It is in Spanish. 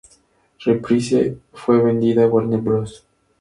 Reprise fue vendida a Warner Bros.